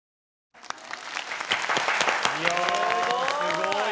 すごい！